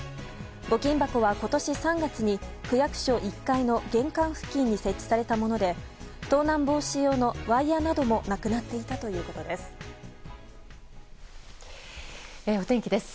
募金箱は今年３月に区役所１階の玄関付近に設置されたもので盗難防止用のワイヤなどもなくなっていたということです。